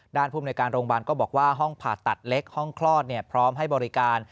ภูมิในการโรงพยาบาลก็บอกว่าห้องผ่าตัดเล็กห้องคลอดพร้อมให้บริการ